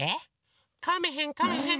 かめへんかめへん！